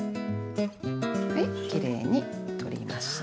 はいきれいに取りました。